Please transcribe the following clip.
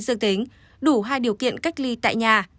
dương tính đủ hai điều kiện cách ly tại nhà